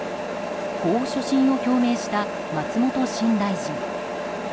こう所信を表明した松本新大臣。